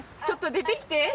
ちょっと出てきて。